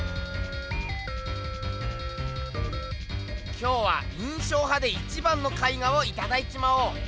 今日は印象派で一番の絵画をいただいちまおう。